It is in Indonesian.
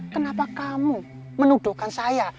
kenapa kamu menuduhkan saya